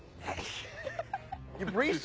はい。